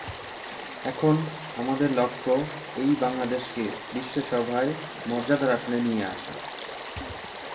এখন আমাদের লক্ষ্য এই বাংলাদেশকে বিশ্ব সভায় মর্যাদার আসনে নিয়ে আসা।